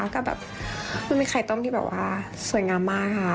ก็แบบมันมีไข่ต้มที่แบบว่าสวยงามมากค่ะ